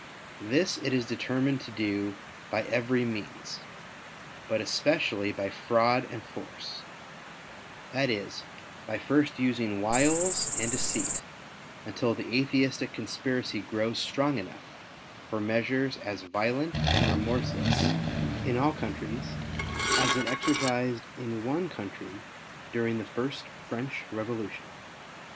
This it is determined to do by every means, but especially by fraud and force ; that is by first using wiles and deceit until the Atheistic conspiracy grows strong enough for measures as violent and remorseless in all countries as it exercised in one country during the first French Revolution.